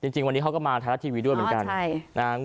จริงวันนี้เขาก็มาไทยรัฐทีวีด้วยเหมือนกัน